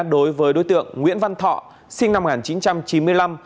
đối với đối tượng nguyễn văn thọ sinh năm một nghìn chín trăm chín mươi năm